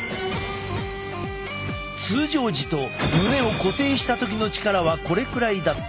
通常時と胸を固定した時の力はこれくらいだった。